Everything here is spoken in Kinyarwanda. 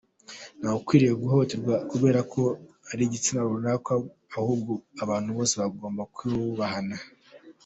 Nta we ukwiriye guhohoterwa kubera ko ari igitsina runaka; ahubwo abantu bose bagomba kubahana.